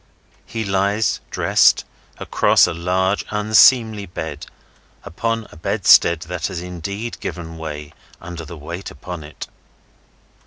He lies, dressed, across a large unseemly bed, upon a bedstead that has indeed given way under the weight upon it.